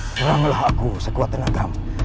seranglah aku sekuatan agama